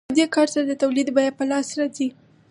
په دې کار سره د تولید بیه په لاس راځي